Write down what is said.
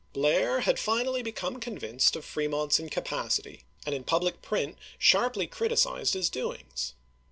Blair had finally become convinced of Fremont's incapac ity, and in public print sharply criticised his doings.